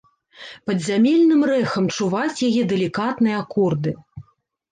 Падзямельным рэхам чуваць яе далікатныя акорды.